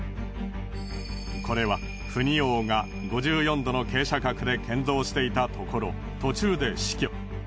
これはフニ王が５４度の傾斜角で建造していたところ途中で死去。